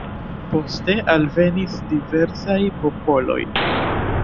Poste alvenis diversaj popoloj.